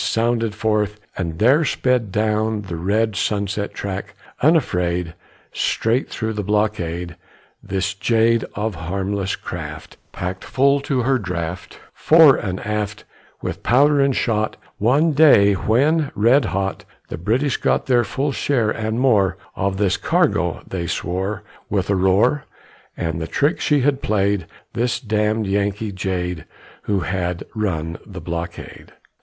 Sounded forth, and there sped Down the red Sunset track, unafraid, Straight through the blockade, This jade Of a harmless craft, Packed full to her draught, Fore and aft, With powder and shot, One day when, red hot The British got Their full share and more Of this cargo, they swore, With a roar, At the trick she had played, This "damned Yankee jade" Who had run the blockade!